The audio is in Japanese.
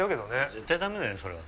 絶対ダメだよそれは。